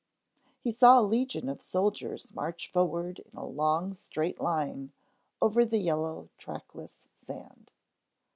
He saw a legion of soldiers march forward in a long, straight line over the yellow, trackless sand.